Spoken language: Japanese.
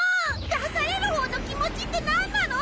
出される方の気持ちって何なの！？